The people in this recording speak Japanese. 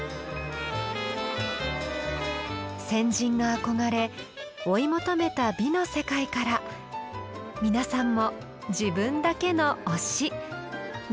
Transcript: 先人が憧れ追い求めた美の世界から皆さんも自分だけの「推し」見つけてみませんか？